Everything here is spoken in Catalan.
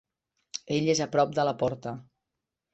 Ell és a prop de la porta.